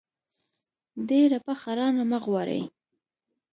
ډېره پخه رانه مه غواړئ.